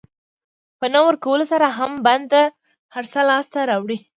په نه ورکولو سره هم بنده هر څه لاسته راوړي.